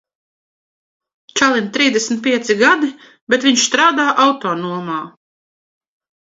Čalim trīsdesmit pieci gadi, bet viņš strādā autonomā.